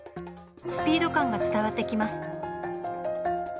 スピード感が伝わってきます。